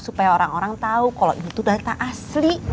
supaya orang orang tau kalau itu data asli